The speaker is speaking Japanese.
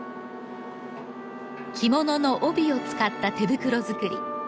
着物の帯を使った手袋づくり。